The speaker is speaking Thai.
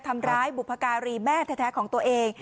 ทำร้ายบุพการีแม่แท้ของตัวเอง